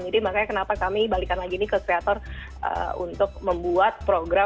jadi makanya kenapa kami balikan lagi ini ke kreator untuk membuat program